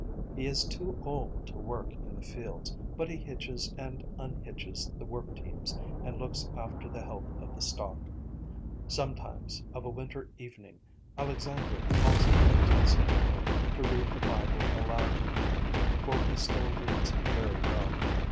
He is too old to work in the fields, but he hitches and unhitches the work teams and looks after the health of the stock. Sometimes of a winter evening Alexandra calls him into the sitting room to read the Bible aloud to her, for he still reads very well.